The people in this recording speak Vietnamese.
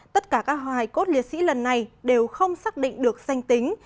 tất cả các hải cốt liệt sĩ lần này đều không xác định được danh tính